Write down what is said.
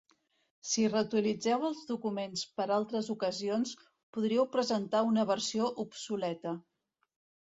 Si reutilitzeu els documents per altres ocasions, podríeu presentar una versió obsoleta.